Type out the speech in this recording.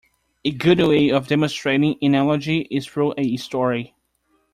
A good way of demonstrating an analogy is through a story.